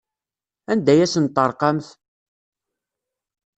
Anda ay asent-terqamt?